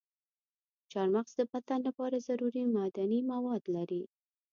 چارمغز د بدن لپاره ضروري معدني مواد لري.